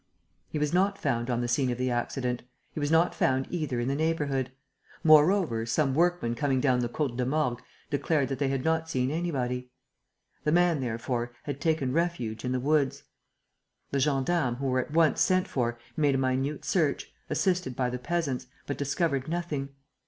He was not found on the scene of the accident. He was not found either in the neighbourhood. Moreover, some workmen coming down the Côte de Morgues declared that they had not seen anybody. The man, therefore, had taken refuge in the woods. The gendarmes, who were at once sent for, made a minute search, assisted by the peasants, but discovered nothing.